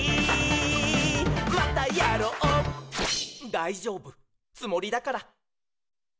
「だいじょうぶつもりだから」